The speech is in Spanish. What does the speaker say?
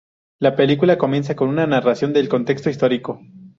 La película comienza con una narración del contexto histórico.